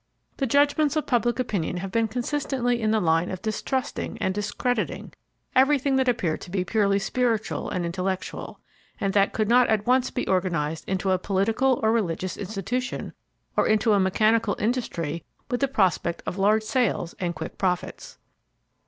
The judgments of public opinion have been consistently in the line of distrusting and discrediting everything that appeared to be purely spiritual and intellectual, and that could not at once be organized into a political or religious institution or into a mechanical industry with the prospect of large sales and quick profits.